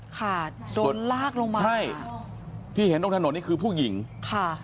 ค่ะโดนลากลงมาใช่ที่เห็นตรงถนนนี่คือผู้หญิงค่ะ